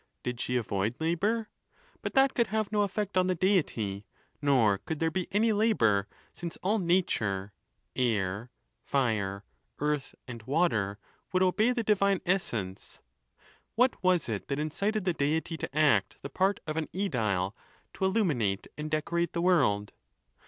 Did she avoid labor? But that could have no effect on the Deity ; nor could there be any labor, since all nature, air, fire, earth, and water would obey the di vine essence. What was it that incited the Deity to act the part of an sedile, to illuminate and decorate the world